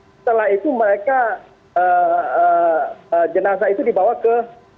setelah itu mereka jenazah itu dibawa ke